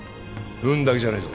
運だけじゃないぞ